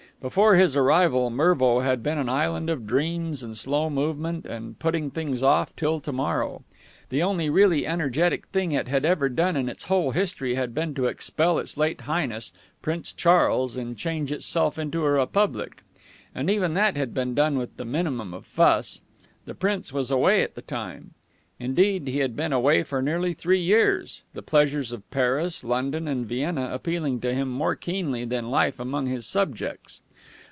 Before his arrival, Mervo had been an island of dreams and slow movement and putting things off till to morrow. The only really energetic thing it had ever done in its whole history had been to expel his late highness, Prince Charles, and change itself into a republic. And even that had been done with the minimum of fuss. The Prince was away at the time. Indeed, he had been away for nearly three years, the pleasures of Paris, London and Vienna appealing to him more keenly than life among his subjects.